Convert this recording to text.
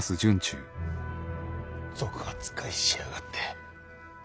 賊扱いしやがって。